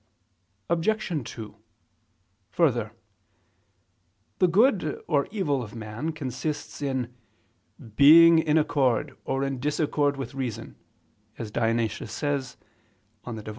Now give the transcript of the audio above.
Obj. 2: Further, the good or evil of man consists in "being in accord, or in disaccord with reason," as Dionysius says (Div.